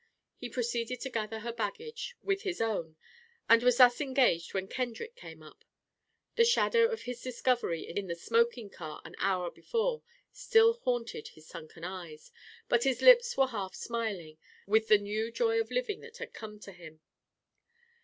He proceeded to gather her baggage with his own, and was thus engaged when Kendrick came up. The shadow of his discovery in the smoking car an hour before still haunted his sunken eyes, but his lips were half smiling with the new joy of living that had come to him.